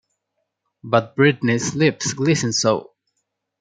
But Britney's lips glisten so...